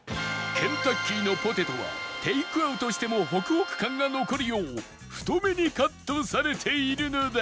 ケンタッキーのポテトはテイクアウトしてもホクホク感が残るよう太めにカットされているのだ！